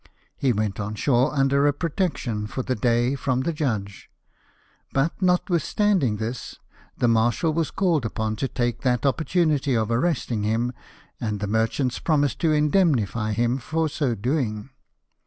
He went on shore under a protection for the day from the judge ; but notwithstanding this, the marshal was called upon to take that opportunity of arresting him, and the merchants promised to indemnify him for so doing.